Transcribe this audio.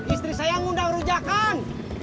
istri saya ngundang rujakan